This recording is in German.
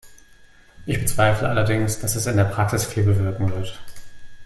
Ich bezweifle allerdings, dass es in der Praxis viel bewirken wird.